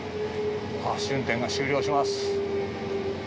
試運転が終了します。